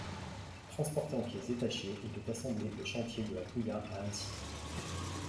Transporté en pièces détachées, il est assemblé aux chantiers de la Puya à Annecy.